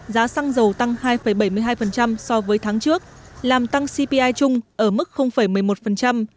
giá xăng dầu tăng hai bảy mươi hai so với tháng trước làm tăng cpi chung ở mức một mươi một